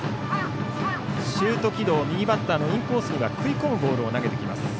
シュート軌道右バッターのインコースに食い込むボールを投げます。